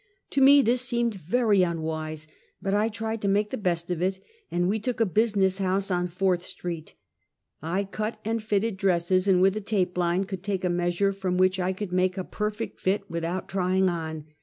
To me this seemed very unwise, but I tried to make the best of it, and we took a business house on Fourth street. I cut and fitted dresses, and with a tape line could take a measure from which I could make a per fect fit without trying on.